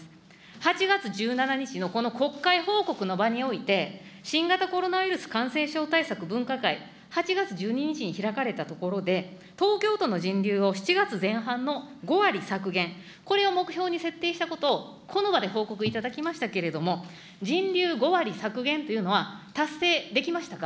８月１７日のこの国会報告の場において、新型コロナウイルス感染症対策分科会、８月１２日に開かれたところで、東京都の人流を７月前半の５割削減、これを目標に設定したことを、この場で報告いただきましたけれども、人流５割削減というのは達成できましたか。